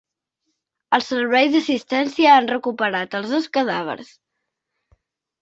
Els serveis d’assistència han recuperat els dos cadàvers.